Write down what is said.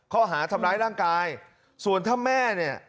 ข้อหาทำร้ายร่างกายส่วนถ้าแม่เนี่ย